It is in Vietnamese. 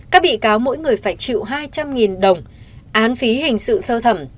các bị cáo mỗi người phải chịu hai trăm linh đồng án phí hình sự sơ thẩm